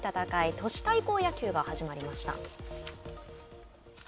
都市対抗野球が始まりました。